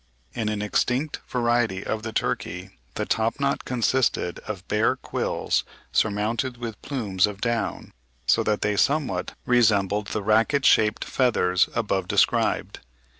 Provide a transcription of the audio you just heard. In an extinct variety of the turkey, the top knot consisted of bare quills surmounted with plumes of down, so that they somewhat resembled the racket shaped feathers above described.